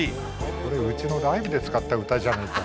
これうちのライブで使った歌じゃないか。